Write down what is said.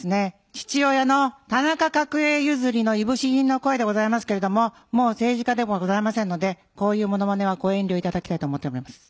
父親の田中角栄譲りのいぶし銀の声でございますけれどももう政治家でもございませんのでこういうモノマネはご遠慮頂きたいと思って。